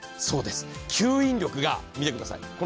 そうです吸引力が見てください